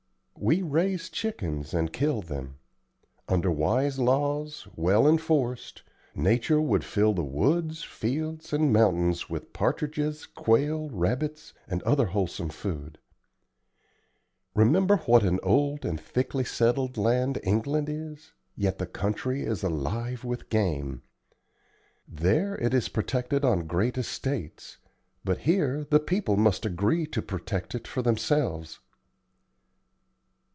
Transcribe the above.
We raise chickens and kill them. Under wise laws, well enforced, nature would fill the woods, fields, and mountains with partridges, quail, rabbits, and other wholesome food. Remember what an old and thickly settled land England is, yet the country is alive with game. There it is protected on great estates, but here the people must agree to protect it for themselves."